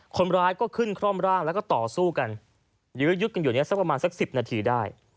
คนร้ายก็ขึ้นข้อมล่างและก็ต่อสู้กันยืดกันอยู่ในนี้คือ๑๐นาทีได้